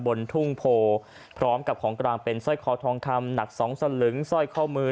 บนทุ่งโพพร้อมกับของกลางเป็นสร้อยคอทองคำหนักสองสลึงสร้อยข้อมือ